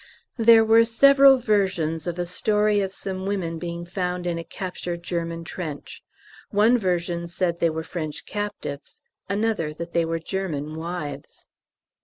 There were several versions of a story of some women being found in a captured German trench. One version said they were French captives, another that they were German wives.